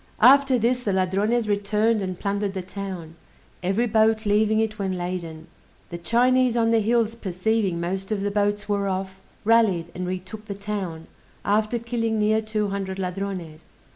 After this the Ladrones returned, and plundered the town, every boat leaving it when laden. The Chinese on the hills perceiving most of the boats were off, rallied, and retook the town, after killing near two hundred Ladrones.